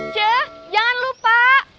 cie jangan lupa